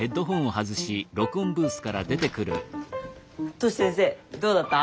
トシ先生どうだった？